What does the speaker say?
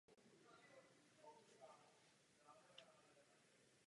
Působil také jako poslanec Nejvyššího sovětu.